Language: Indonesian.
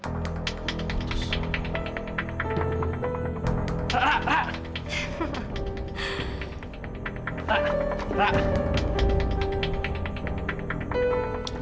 ra ra ra